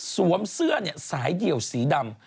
สวมเสื้อเนี่ยสายเดี่ยวสีดำ